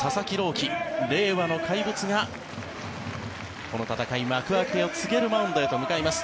希令和の怪物が、この戦い幕開けを告げるマウンドへと上がります。